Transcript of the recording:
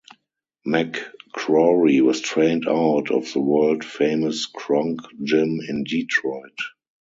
McCrory was trained out of the world-famous Kronk Gym in Detroit.